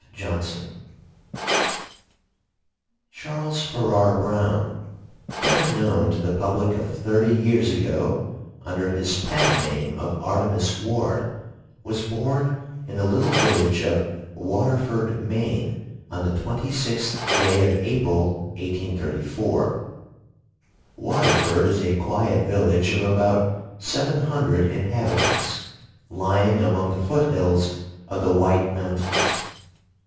JOHNSON Charles Farrar Brown, better known to the public of thirty years ago under his pen name of Artemus Ward, was born in the little village of Waterford, Maine, on the 26th day of April, 1834. Waterford is a quiet village of about seven hundred inhabitants, lying among the foot hills of the White Mountains.